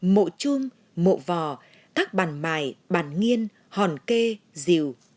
mộ chuông mộ vò các bàn mài bàn nghiên hòn kê dìu